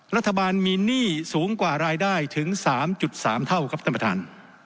รัฐบาลมีหนี้สูงกว่ารายได้ถึง๓๓เท่าครับท่านประธาน